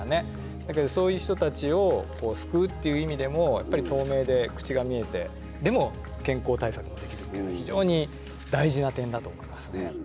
だけどそういう人たちを救うっていう意味でもやっぱり透明で口が見えてでも健康対策もできるっていうのは非常に大事な点だと思いますね。